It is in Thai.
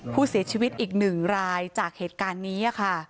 ผู้เสียชีวิตอีก๑รายจากเหตุการณ์นี้ค่ะ